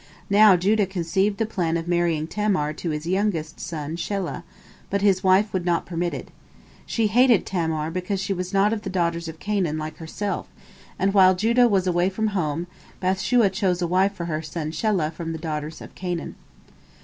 Now Judah conceived the plan of marrying Tamar to his youngest son Shelah, but his wife would not permit it. She hated Tamar because she was not of the daughters of Canaan like herself, and while Judah was away from home, Bath shua chose a wife for her son Shelah from the daughters of Canaan.